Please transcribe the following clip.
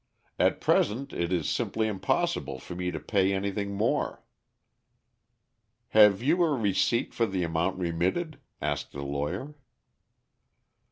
At present it is simply impossible for me to pay anything more." "Have you a receipt for the amount remitted?" asked the lawyer.